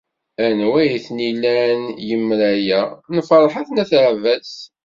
Anwa ay ten-ilan yemra-a? N Ferḥat n At Ɛebbas.